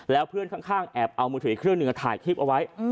แล้วเพื่อนข้างแอบเอามือถืออีกเครื่องหนึ่งถ่ายคลิปเอาไว้